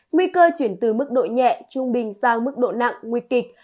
nguy cơ chuyển từ mức độ nhẹ trung bình sang mức độ nặng nguy kịch